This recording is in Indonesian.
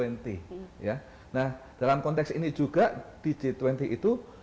nah dalam konteks ini juga di g dua puluh itu